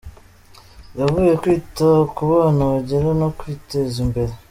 Bavuye kwita ku bana bagera no kwiteza imbere.